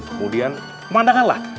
kemudian pemandangan lah